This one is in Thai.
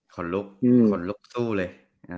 คนลุกสู้เลย